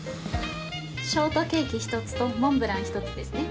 ショートケーキ１つとモンブラン１つですね。